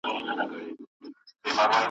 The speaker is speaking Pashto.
د افغانستان د استقلال د ورځي `